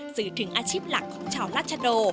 สื่อถึงอาชีพหลักของชาวรัชโด